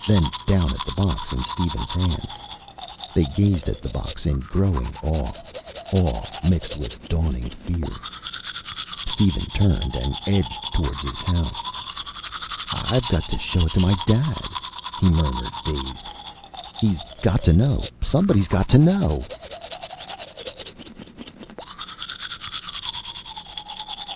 Then down at the box in Steven's hands. They gazed at the box in growing awe. Awe mixed with dawning fear. Steven turned and edged toward his house. "I've got to show it to my Dad," he murmured, dazed. "He's got to know. Somebody's got to know!"